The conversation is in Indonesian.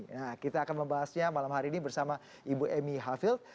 nah kita akan membahasnya malam hari ini bersama ibu emy hafilt